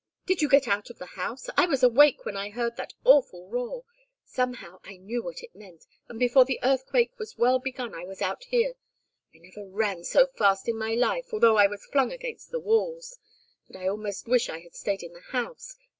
Did you get out of the house? I was awake when I heard that awful roar. Somehow, I knew what it meant, and before the earthquake was well begun I was out here. I never ran so fast in my life, although I was flung against the walls. And I almost wished I had stayed in the house.